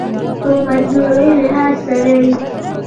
خو مجموعي لحاظ سره ئې